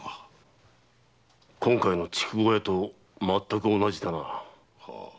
今回の筑後屋とまったく同じだな。